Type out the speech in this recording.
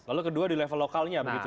lalu kedua di level lokalnya begitu